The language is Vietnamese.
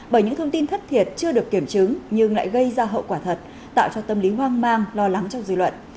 bởi những thông tin thất thiệt chưa được kiểm chứng nhưng lại gây ra hậu quả thật tạo cho tâm lý hoang mang lo lắng trong dư luận